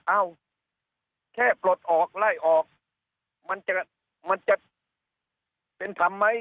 เอ้าแค่ปลดออกไล่ออกมันจะเป็นทำไม